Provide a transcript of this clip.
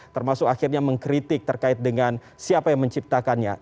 termasuk akhirnya mengkritik terkait dengan siapa yang menciptakannya